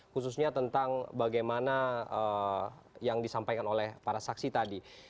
khususnya tentang bagaimana yang disampaikan oleh para saksi tadi